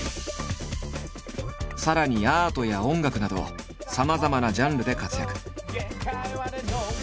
さらにアートや音楽などさまざまなジャンルで活躍。